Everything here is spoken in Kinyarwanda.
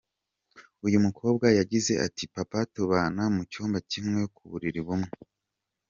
Uyu mukobwa yagize ati "Papa tubana mu cyumba kimwe, ku buriri bumwe.